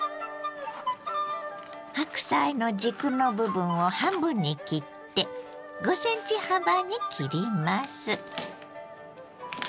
白菜の軸の部分を半分に切って５ｃｍ幅に切ります。